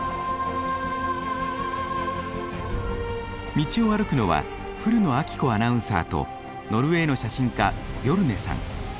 道を歩くのは古野晶子アナウンサーとノルウェーの写真家ビョルネさん。